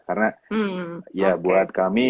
karena ya buat kami